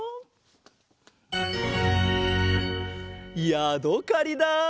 やどかりだ！